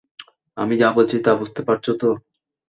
আমি যা বলছি তা বুঝতে পারছো তো?